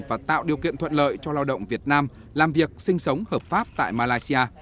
và tạo điều kiện thuận lợi cho lao động việt nam làm việc sinh sống hợp pháp tại malaysia